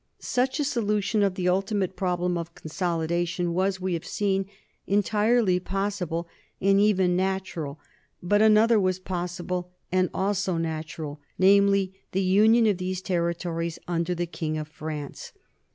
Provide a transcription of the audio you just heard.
Such a solution of the ultimate problem of con solidation was, we have seen, entirely possible and even natural; but another was possible and also natural, namely the union of these territories under the king of France.